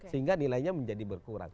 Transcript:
sehingga nilainya menjadi berkurang